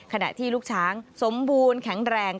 ขณะที่ลูกช้างสมบูรณ์แข็งแรง